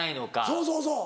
そうそうそう。